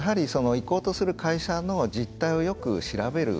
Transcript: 行こうとする会社の実態をよく調べる。